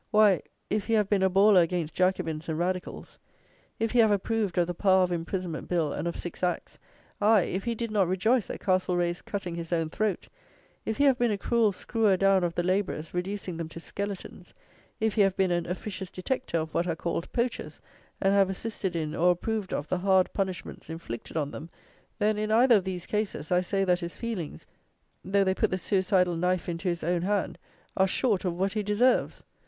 Why, if he have been a bawler against Jacobins and Radicals; if he have approved of the Power of Imprisonment Bill and of Six Acts; aye, if he did not rejoice at Castlereagh's cutting his own throat; if he have been a cruel screwer down of the labourers, reducing them to skeletons; if he have been an officious detecter of what are called "poachers," and have assisted in, or approved of, the hard punishments, inflicted on them; then, in either of these cases, I say, that his feelings, though they put the suicidal knife into his own hand, are short of what he deserves!